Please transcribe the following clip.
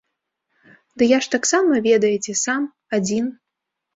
Ды я ж таксама, ведаеце, сам, адзін.